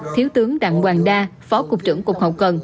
thiếu tướng đặng hoàng đa phó cục trưởng cục hậu cần